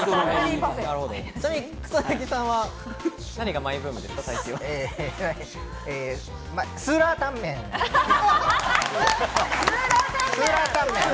草薙さんは何がマイブームですか？